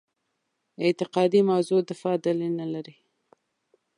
اعتقادي موضع دفاع دلیل نه لري.